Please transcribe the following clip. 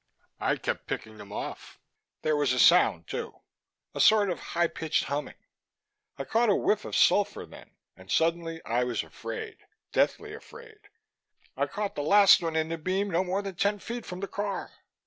I kept picking them off. There was a sound, too, a sort of high pitched humming. I caught a whiff of sulphur then, and suddenly I was afraid deathly afraid. I caught the last one in the beam no more than ten feet from the car.